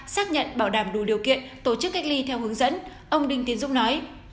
xác nhận bảo đảm đủ điều kiện tổ chức cách ly theo hướng dẫn ông đinh tiến dũng nói